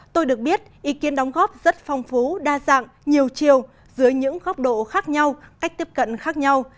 tôi được biết ý kiến đóng góp rất phong phú đa dạng nhiều chiều dưới những góc độ khác nhau cách tiếp cận khác nhau